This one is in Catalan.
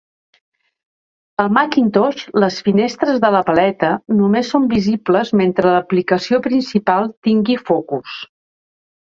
Al Macintosh, les finestres de la paleta només són visibles mentre l'aplicació principal tingui focus.